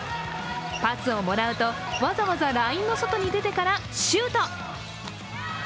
パスをもらうとわざわざラインの外に出てからシュート。